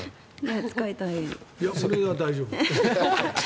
それは大丈夫。